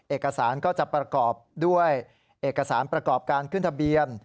เอกสารก็จะประกอบด้วยเอกสารประกอบการขึ้นทะเบียน